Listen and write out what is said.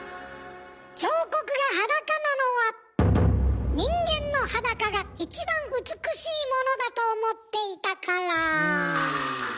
彫刻が裸なのは人間の裸が一番美しいものだと思っていたから。